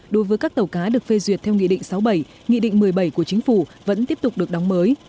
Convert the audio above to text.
đối với các tàu cá được phê duyệt theo nghị định sáu mươi bảy nghị định một mươi bảy của chính phủ vẫn tiếp tục được đóng mới